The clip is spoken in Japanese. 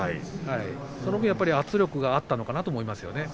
その分、圧力があったのかなと思います。